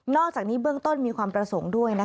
อกจากนี้เบื้องต้นมีความประสงค์ด้วย